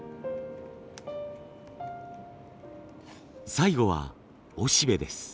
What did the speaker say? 最後は雄しべです。